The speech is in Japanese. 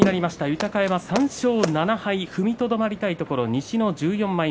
豊山、３勝７敗踏みとどまりたいところ。